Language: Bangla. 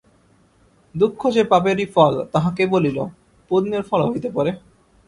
দুঃখ যে পাপেরই ফল তাহা কে বলিল, পুণ্যের ফলও হইতে পারে।